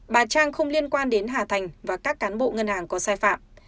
bà trang không liên quan đến hà thành và các cán bộ ngân hàng có sai phạm